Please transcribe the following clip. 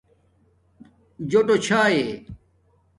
جݸٹݸ چھائئ